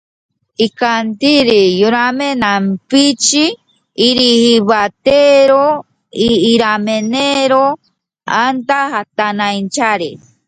Esto condicionó en parte que el pueblo comenzará su expansión por el lado noroeste.